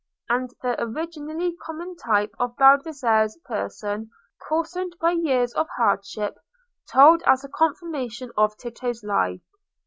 And the originally common type of Baldassarre's person, coarsened by years of hardship, told as a confirmation of Tito's lie.